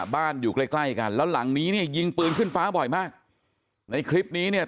อยู่ใกล้ใกล้กันแล้วหลังนี้เนี่ยยิงปืนขึ้นฟ้าบ่อยมากในคลิปนี้เนี่ย